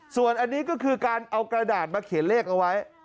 ส่วนอันนี้ก็คือการเอากระดาษมาเขียนเลขเอาไว้